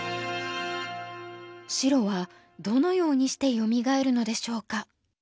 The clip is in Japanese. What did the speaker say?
白はどのようにしてよみがえるのでしょうか。